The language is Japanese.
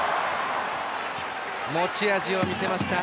持ち味を見せました。